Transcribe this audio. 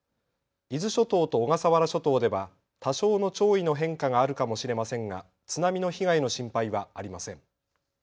伊豆諸島と小笠原諸島では多少の潮位の変化があるかもしれませんが津波の被害の心配はありません。